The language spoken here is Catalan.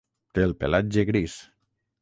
Té el pelatge gris.